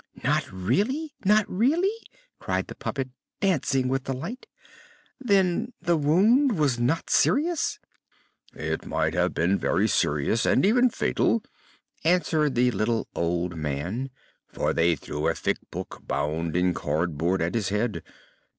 "Not really? not really?" cried the puppet, dancing with delight. "Then the wound was not serious?" "It might have been very serious and even fatal," answered the little old man, "for they threw a thick book bound in cardboard at his head."